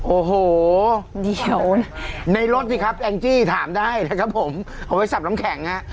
โอ้โหเดี๋ยวในรถสิครับแองจี้ถามได้นะครับผมเอาไว้สับน้ำแข็งฮะ